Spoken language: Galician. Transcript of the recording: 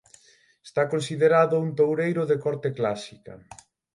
Está considerado un toureiro de corte clásica.